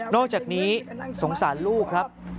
อกจากนี้สงสารลูกครับ